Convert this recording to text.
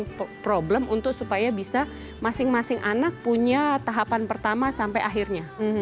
jadi ada problem untuk supaya bisa masing masing anak punya tahapan pertama sampai akhirnya